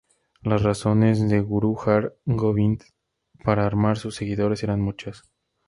Las razones de Gurú Har Gobind para armar sus seguidores eran muchos.